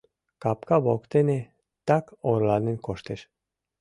Капка воктене так орланен коштеш.